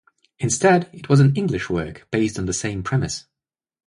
Instead, it was an English work based on the same premise.